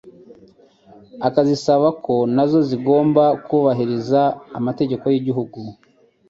akazisaba ko na zo zigomba kubahiriza amategeko y'igihugu